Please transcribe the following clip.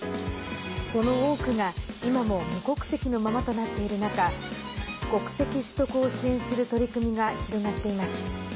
その多くが今も無国籍のままとなっている中国籍取得を支援する取り組みが広がっています。